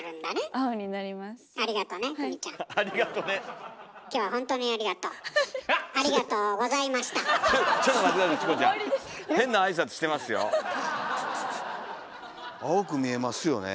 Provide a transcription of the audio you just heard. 青く見えますね。